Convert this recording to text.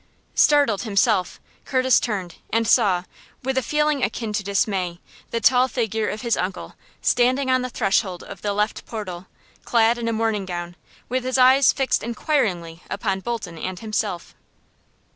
Startled himself, Curtis turned, and saw, with a feeling akin to dismay, the tall figure of his uncle standing on the threshold of the left portal, clad in a morning gown, with his eyes fixed inquiringly upon Bolton and himself.